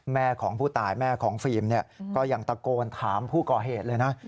แม่ของผู้ตายแม่ของฟิล์มเนี่ยก็ยังตะโกนถามผู้ก่อเหตุเลยนะ